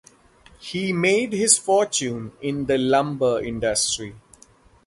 He made his fortune in the lumber industry.